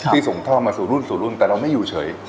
ที่ส่งท่อมาสู่รุ่นแต่เราไม่อยู่เฉย